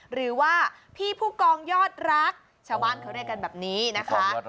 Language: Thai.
หรือว่าพี่ผู้กองยอดรักชาวบ้านเขาเรียกกันแบบนี้นะคะ